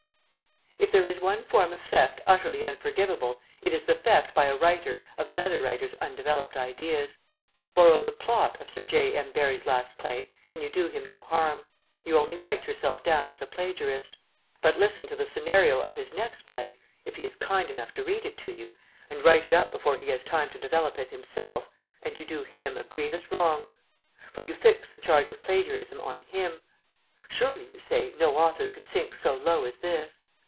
..... If there is one form of theft utterly unforgivable it is the theft by a writer of another writer's undeveloped ideas. Borrow the plot of Sir J. M. Barrie's last play, and you do him no harm; you only write yourself down a plagiarist. But listen to the scenario of his next play (if he is kind enough to read it to you) and write it up before he has time to develop it himself, and you do him a grievous wrong; for you fix the charge of plagiarism on him. Surely, you say, no author could sink so low as this.